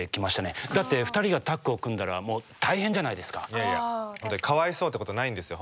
いやいやかわいそうってことないんですよ